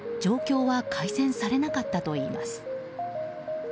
しかし、状況は改善されなかったといいます。